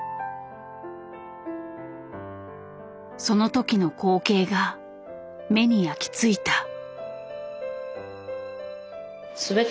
その時の光景が目に焼き付いた。